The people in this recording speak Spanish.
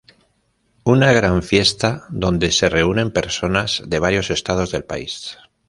Una gran fiesta, donde se reúnen personas de varios estados del país.